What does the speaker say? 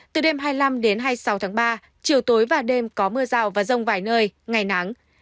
từ đêm hai mươi năm đến hai mươi sáu tháng ba chiều tối và đêm có mưa rào và rông vài nơi ngày nắng